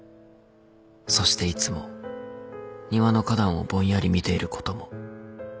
そしていつも庭の花壇をぼんやり見ていることも。